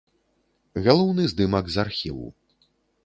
Галоўны здымак з архіву.